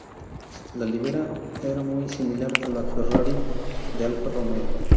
La librea era muy similar a la de Ferrari y Alfa Romeo.